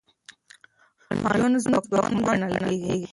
انجن ځواکمن ګڼل کیږي.